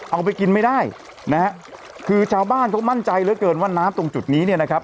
เอาไปกินไม่ได้นะฮะคือชาวบ้านเขามั่นใจเหลือเกินว่าน้ำตรงจุดนี้เนี่ยนะครับ